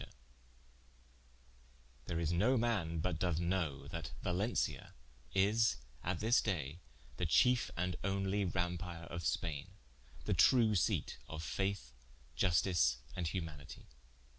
_ There is no man but doth knowe, that Valencia is at this day, the chiefe and onelye Rampar of Spaine, the true seate of Faith, Iustice and humanity.